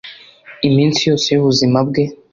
iminsi yose y'ubuzima bwe